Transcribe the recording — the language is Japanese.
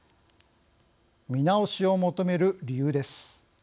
見直しを求める理由です。